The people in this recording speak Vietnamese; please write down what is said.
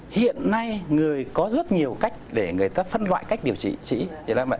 hiện nay người có rất nhiều cách để người ta phân loại cách điều trị